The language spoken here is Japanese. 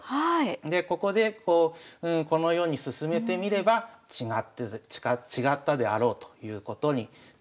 でここでこのように進めてみれば違ったであろうということになるわけですね。